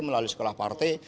melalui sekolah partai